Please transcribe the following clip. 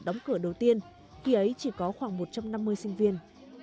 trong đợt đóng cửa đầu tiên khi ấy chỉ có khoảng một trăm năm mươi sinh viên